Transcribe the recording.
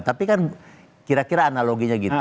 tapi kan kira kira analoginya gitu